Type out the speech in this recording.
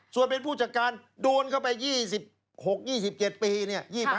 ส่วนเป็นผู้จัดการโดนเข้าไป๒๖๒๗ปีเนี่ย